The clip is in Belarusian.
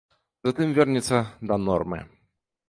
Затым вернецца да нормы.